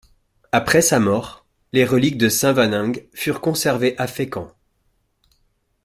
Après sa mort, les reliques de Saint Waneng furent conservées à Fécamp.